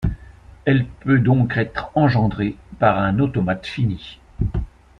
Elle peut donc être engendrée par un automate fini.